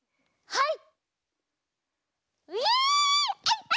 はい。